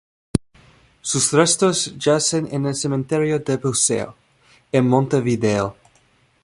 Sus restos yacen en el Cementerio del Buceo, en Montevideo.